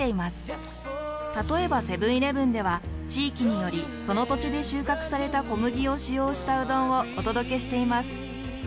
例えばセブンーイレブンでは地域によりその土地で収穫された小麦を使用したうどんをお届けしています。